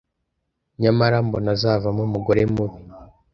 nyamara mbona azavamo umugore mubi.